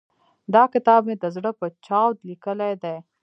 دا کتاب مې د زړه په چاود ليکلی دی.